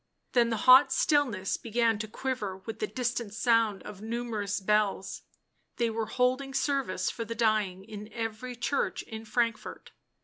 Then the hot stillness began to quiver with the distant sound of numerous bells ; they were holding services for the dying in every church in Frankfort.